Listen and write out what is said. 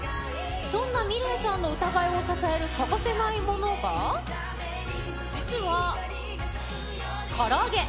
そんなｍｉｌｅｔさんの歌声を支える欠かせないものが、実は、から揚げ。